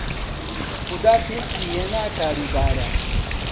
خودا پێکی هێنای کار و بارە